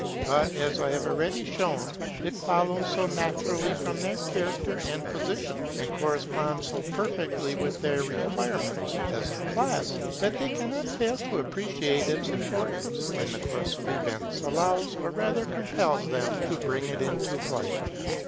But, as I have already shown, it follows so naturally from their character and position, and corresponds so perfectly with their requirements as a class, that they cannot fail to appreciate its importance, when the course of events allows, or rather compels them to bring it into play.